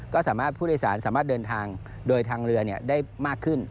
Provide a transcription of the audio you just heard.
ก็สามารถผู้โดยสารสามารถเดินทางโดยทางเรือได้มากขึ้น